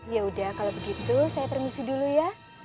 yaudah kalau begitu saya permisi dulu ya